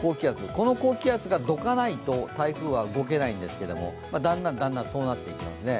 この高気圧がどかないと台風は動けないんですが、だんだんそうなっていきますね。